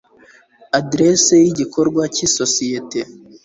aderesi y igikorwa cy isosiyete